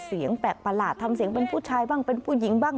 เสียงแปลกประหลาดทำเสียงเป็นผู้ชายบ้างเป็นผู้หญิงบ้าง